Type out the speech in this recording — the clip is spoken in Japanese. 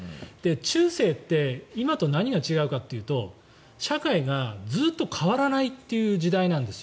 中世って今と何が違うかというと社会がずっと変わらないという時代なんです。